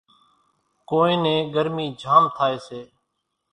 ڪونئين نين ڳرمِي جھام ٿائيَ سي۔